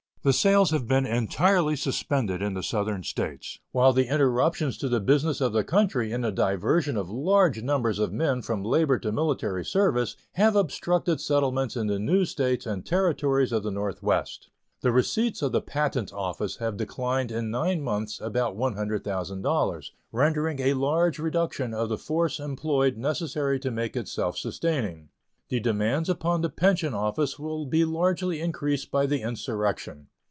The sales have been entirely suspended in the Southern States, while the interruptions to the business of the country and the diversion of large numbers of men from labor to military service have obstructed settlements in the new States and Territories of the Northwest. The receipts of the Patent Office have declined in nine months about $100,000, rendering a large reduction of the force employed necessary to make it self sustaining. The demands upon the Pension Office will be largely increased by the insurrection.